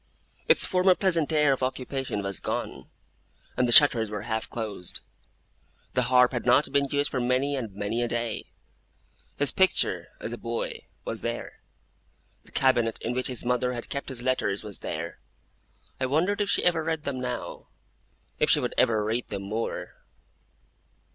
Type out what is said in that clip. Its former pleasant air of occupation was gone, and the shutters were half closed. The harp had not been used for many and many a day. His picture, as a boy, was there. The cabinet in which his mother had kept his letters was there. I wondered if she ever read them now; if she would ever read them more!